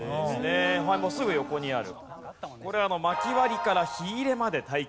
すぐ横にある。